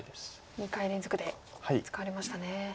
２回連続で使われましたね。